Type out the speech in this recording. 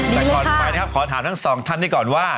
แต่ก่อนไปนะครับขอถามทั้งสองท่านนี้ก่อนว่า